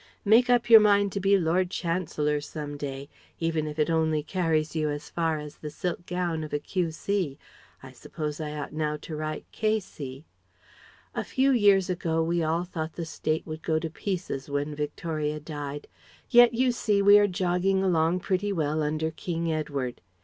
Make up your mind to be Lord Chancellor some day ... even if it only carries you as far as the silk gown of a Q.C. I suppose I ought now to write "K.C." A few years ago we all thought the State would go to pieces when Victoria died. Yet you see we are jogging along pretty well under King Edward.